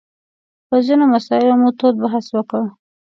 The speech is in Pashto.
په ځینو مسایلو مو تود بحث وکړ.